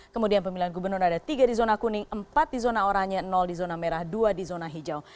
kemudian pemilihan gubernur ada tiga di zona kuning empat di zona oranye di zona merah dua di zona hijau